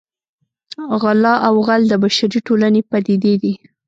غلا او غل د بشري ټولنې پدیدې دي